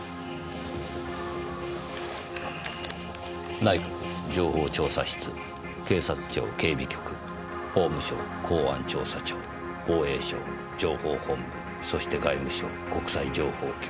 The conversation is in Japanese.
内閣情報調査室警察庁警備局法務省公安調査庁防衛省情報本部そして外務省国際情報局。